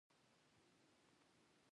د روسیې انقلاب په اړه هم صدق کوي.